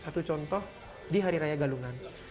satu contoh di hari raya galungan